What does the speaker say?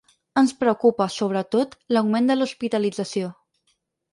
Ens preocupa, sobretot, l’augment de l’hospitalització.